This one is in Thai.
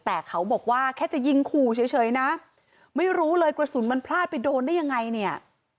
แต่เขาบอกว่าแค่จะยิงขู่เฉยนะไม่รู้เลยกระสุนมันพลาดไปโดนได้ยังไงเนี่ย